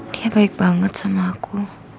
dia baik banget sama aku